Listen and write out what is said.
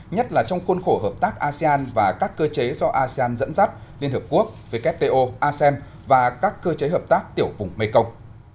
nhất là trong khuôn khổ hợp tác asean và các cơ chế do asean dẫn dắt liên hợp quốc wto asem và các cơ chế hợp tác tiểu vùng mekong